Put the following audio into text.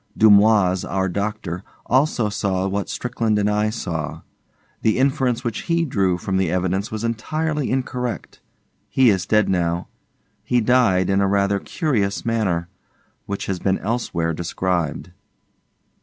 Dumoise, our doctor, also saw what Strickland and I saw. The inference which he drew from the evidence was entirely incorrect. He is dead now; he died, in a rather curious manner, which has been elsewhere described.